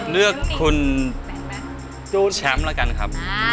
เลือกคุณสู้แชมป์แล้วกันครับ